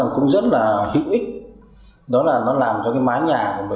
của máy tôn máy ngói